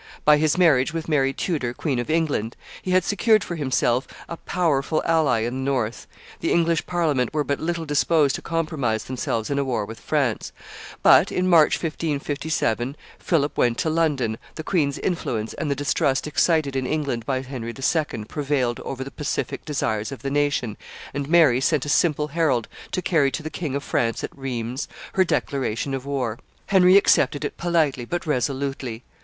By his marriage with Mary Tudor, Queen of England, he had secured for himself a powerful ally in the north; the English Parliament were but little disposed to compromise themselves in a war with France; but in March, 1557, Philip went to London; the queen's influence and the distrust excited in England by Henry II. prevailed over the pacific desires of the nation; and Mary sent a simple herald to carry to the King of France at Rheims her declaration of war. Henry accepted it politely, but resolutely.